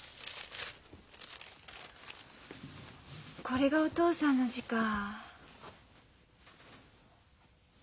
これがお父さんの字か。